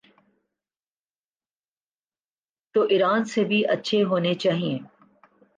تو ایران سے بھی اچھے ہونے چائیں۔